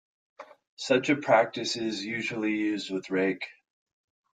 Such a practice is usually used with Rake.